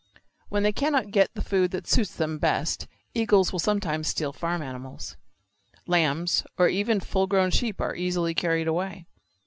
When they cannot get the food that suits them best eagles will sometimes steal farm animals. Lambs, or even full grown sheep are easily carried away.